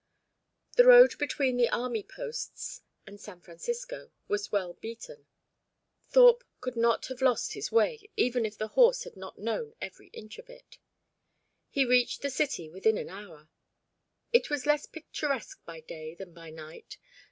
The road between the army posts and San Francisco was well beaten. Thorpe could not have lost his way, even if the horse had not known every inch of it. He reached the city within an hour. It was less picturesque by day than by night.